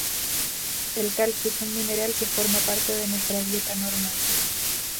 El calcio es un mineral que forma parte de nuestra dieta normal.